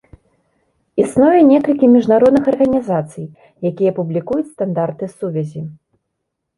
Існуе некалькі міжнародных арганізацый, якія публікуюць стандарты сувязі.